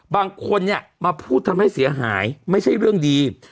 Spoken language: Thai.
บางคนเนี่ยมาพูดทำให้เสียหายไม่ใช่เรื่องดี